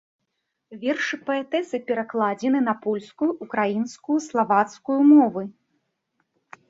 Вершы паэтэсы перакладзены на польскую, украінскую, славацкую мовы.